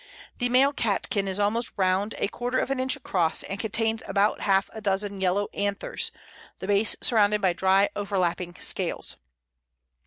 The male catkin is almost round, a quarter of an inch across, and contains about half a dozen yellow anthers, the base surrounded by dry overlapping scales.